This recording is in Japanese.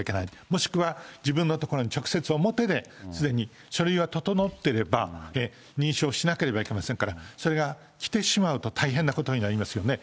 もしくは自分のところに直接、表ですでに書類は整ってれば、認証しなければいけませんから、それが来てしまうと大変なことになりますよね。